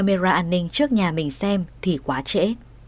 bởi khi chị trách camera an ninh trước nhà mình xem thì quá trễ